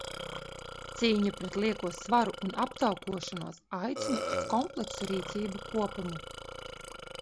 Cīņa pret lieko svaru un aptaukošanos aicina uz kompleksu rīcību kopumu.